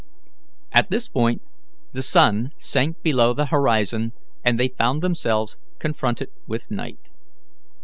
At this point the sun sank below the horizon, and they found themselves confronted with night.